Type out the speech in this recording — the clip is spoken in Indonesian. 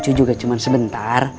cuy juga cuma sebentar